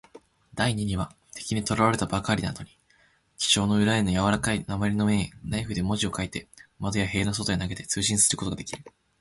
第二には、敵にとらえられたばあいなどに、記章の裏のやわらかい鉛の面へ、ナイフで文字を書いて、窓や塀の外へ投げて、通信することができる。